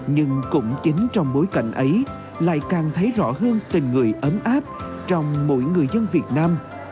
nhưng cũng chính trong bối cảnh ấy lại càng thấy rõ hơn tình người ấm áp trong mỗi người dân việt nam